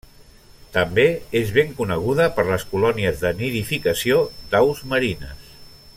També és ben coneguda per les colònies de nidificació d'aus marines.